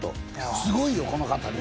すごいよ、この語り！